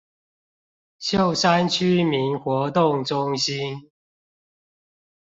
秀山區民活動中心